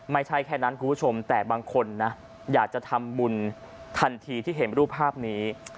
ไม่ใช่แค่นั้นคุณผู้ชมแต่บางคนนะอยากจะทำบุญทันทีที่เห็นรูปภาพนี้